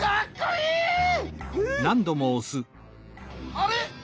あれ？